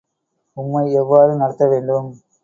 உம்மை எவ்வாறு நடத்த வேண்டும்?